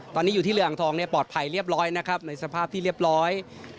ตอนนี้อยู่ที่เรืองทองเนี่ยปลอดภัยเรียบร้อยนะครับในสภาพที่เรียบร้อย